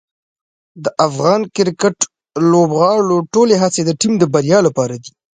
د افغان کرکټ لوبغاړو ټولې هڅې د ټیم بریا لپاره دي.